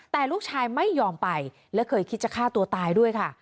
แต่ลูกชายไม่ยอมไปและเคยคิดจะฆ่าตัวตายด้วยค่ะ